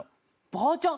ばあちゃん